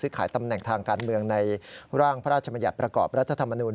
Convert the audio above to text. ขายตำแหน่งทางการเมืองในร่างพระราชมัญญัติประกอบรัฐธรรมนูล